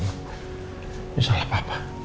ini salah papa